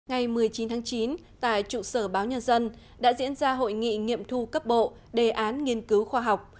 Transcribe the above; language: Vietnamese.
ngày một mươi chín tháng chín tại trụ sở báo nhân dân đã diễn ra hội nghị nghiệm thu cấp bộ đề án nghiên cứu khoa học